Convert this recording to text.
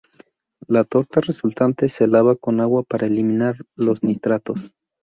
La torta resultante se lava con agua para eliminar los nitratos.